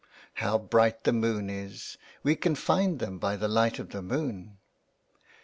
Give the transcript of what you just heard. " How bright the moon is, we can find them by the light of the moon."